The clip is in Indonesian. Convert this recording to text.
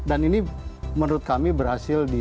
dan ini menurut kami berhasil di